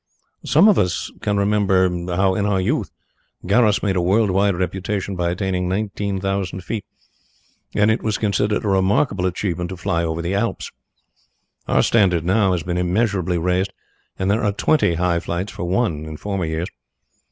Some of us can remember how, in our youth, Garros made a world wide reputation by attaining nineteen thousand feet, and it was considered a remarkable achievement to fly over the Alps. Our standard now has been immeasurably raised, and there are twenty high flights for one in former years.